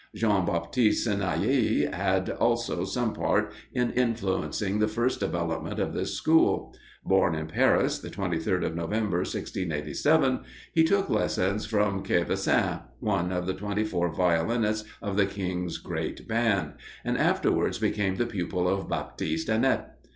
Jean Baptiste Senaillé had also some part in influencing the first development of this school. Born in Paris, the 23rd of November, 1687, he took lessons from Queversin, one of the twenty four violinists of the king's great band, and afterwards became the pupil of Baptiste Anet.